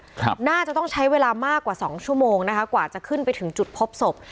ครับน่าจะต้องใช้เวลามากกว่าสองชั่วโมงนะคะกว่าจะขึ้นไปถึงจุดพบศพ